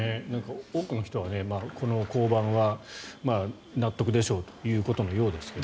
多くの人はこの降板は納得でしょうということのようですけど。